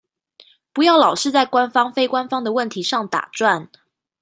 不要老是在官方非官方的問題上打轉